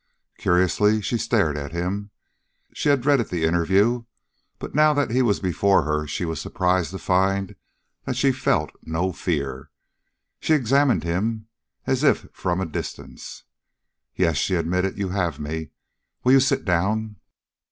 Curiously she stared at him. She had dreaded the interview, but now that he was before her she was surprised to find that she felt no fear. She examined him as if from a distance. "Yes," she admitted, "you have me. Will you sit down?"